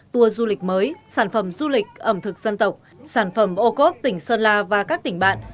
tour du lịch mới sản phẩm du lịch ẩm thực dân tộc sản phẩm ô cốp tỉnh sơn la và các tỉnh bạn